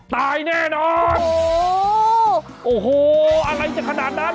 ตายแน่นอนโอ้โหโอ้โหอะไรจะขนาดนั้น